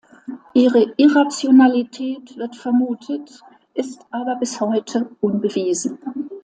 Ihre Irrationalität wird vermutet, ist aber bis heute unbewiesen.